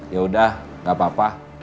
yaudah gak apa apa